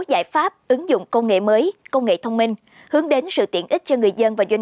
giải pháp ứng dụng công nghệ mới công nghệ thông minh hướng đến sự tiện ích cho người dân và doanh